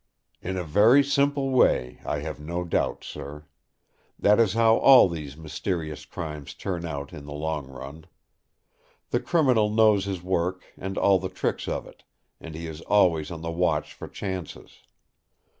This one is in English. "In a very simple way, I have no doubt, sir. That is how all these mysterious crimes turn out in the long run. The criminal knows his work and all the tricks of it; and he is always on the watch for chances.